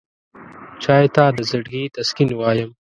چای ته د زړګي تسکین وایم.